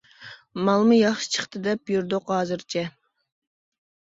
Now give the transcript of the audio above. مالمۇ ياخشى چىقتى دەپ يۈردۇق ھازىرچە.